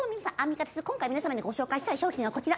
今回皆様にご紹介したい商品はこちら。